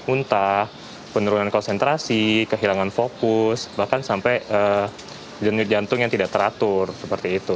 muntah penurunan konsentrasi kehilangan fokus bahkan sampai denyut jantung yang tidak teratur seperti itu